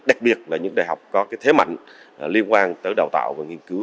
đặc biệt là những đại học có thế mạnh liên quan tới đào tạo và nghiên cứu